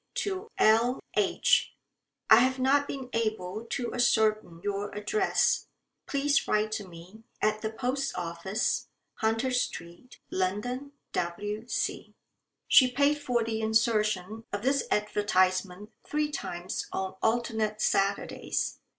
to L H . I have not been able to ascertain your address. Please write to me, at the Post Office, Hunter Street, London, W.C." She paid for the insertion of this advertisement three times on alternate Saturdays.